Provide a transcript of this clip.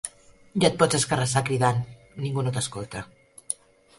Ja et pots escarrassar cridant: ningú no t'escolta.